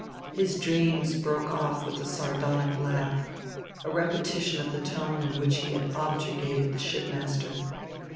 His dreams broke off with a sardonic laugh, a repetition of the tone in which he had objurgated the ship master.